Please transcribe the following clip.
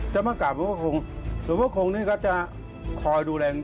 มากราบหลวงพ่อคงหลวงพ่อคงนี่ก็จะคอยดูแล